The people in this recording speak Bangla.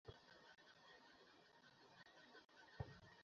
আমাদের এই ডেটা সেটে মাত্র আটটি কলাম এবং নয়টি রো রয়েছে।